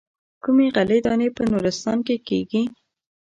کومې غلې دانې په نورستان کې کېږي.